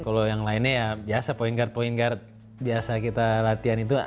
kalau yang lainnya ya biasa point guard point guard biasa kita latihan itu